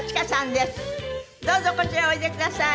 どうぞこちらへおいでください。